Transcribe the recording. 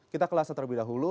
kita ke lhasa terlebih dahulu